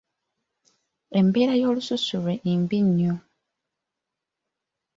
Embeera y'olususu lwe mbi nnyo.